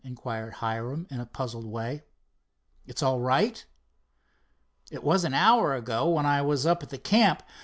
inquired Hiram in a puzzled way. "It's all right?" "It was an hour ago, when I was up at the camp.